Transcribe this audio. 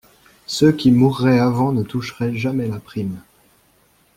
Ceux qui mourraient avant ne toucheraient jamais la prime.